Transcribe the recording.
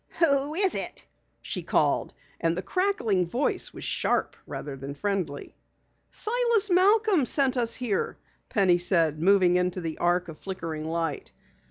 "Who is it?" she called, and the crackled voice was sharp rather than friendly. "Silas Malcom sent us here," Penny said, moving into the arc of flickering light.